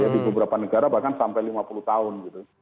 di beberapa negara bahkan sampai lima puluh tahun gitu